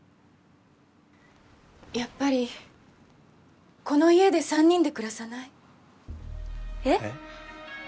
やっぱりこの家で３人で暮らさない？えっ？えっ？